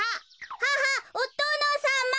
「ははっおとのさま」。